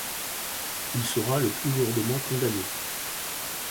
Il sera le plus lourdement condamné.